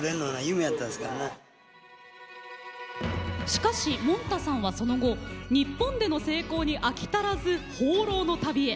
しかしもんたさんはその後日本での成功に飽き足らず放浪の旅へ。